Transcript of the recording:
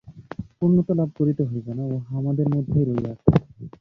পূর্ণতা লাভ করিতে হইবে না, উহা আমাদের মধ্যেই রহিয়াছে।